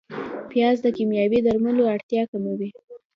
پیاز د کیمیاوي درملو اړتیا کموي